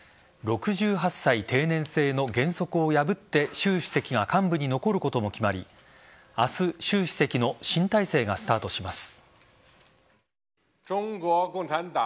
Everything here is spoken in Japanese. ６８歳定年制の原則を破って習主席が幹部に残ることも決まり明日、習主席の新体制がスタートします。